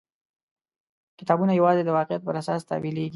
کتابونه یوازې د واقعیت پر اساس تاویلېږي.